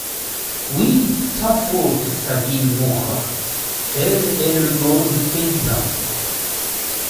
Oui, sans faute sa vigne mourra.» Tel est le mot du paysan.